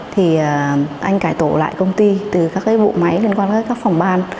thì anh cải tổ lại công ty từ các cái vụ máy liên quan đến các phòng ban